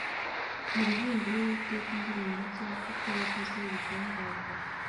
muririmbire uwiteka indirimbo nshya kuko yakoze ibitangaza